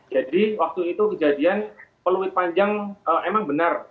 jadi waktu itu kejadian peluit panjang emang benar